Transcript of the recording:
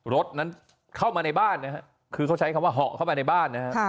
รถนั้นเข้ามาในบ้านนะฮะคือเขาใช้คำว่าเหาะเข้ามาในบ้านนะฮะ